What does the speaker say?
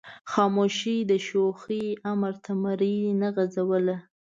خاموش د شوخۍ امر ته مرۍ نه غځوله.